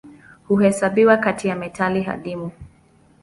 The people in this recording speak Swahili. Huhesabiwa kati ya metali adimu.